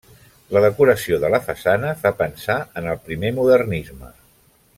La decoració de la façana fa pensar en el primer modernisme.